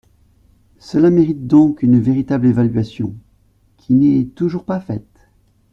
Cela mérite donc une véritable évaluation, qui n’est toujours pas faite.